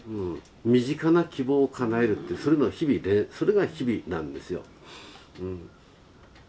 身近な希望をかなえるってそれの日々それが日々なんですよ。